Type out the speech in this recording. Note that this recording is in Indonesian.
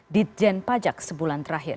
di jen pajak sebulan terakhir